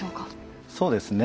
そうですね。